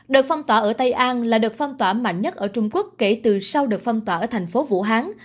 đợt phong tỏa ở tây an là đợt phong tỏa mạnh nhất ở trung quốc kể từ sau đợt phong tỏa ở thành phố vũ hán